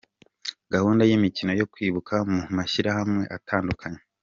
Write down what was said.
Gahunda y’imikino yo kwibuka mu mashyirahamwe atandukanye:.